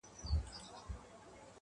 هر څوک د خپل ضمير سره يو څه جګړه لري,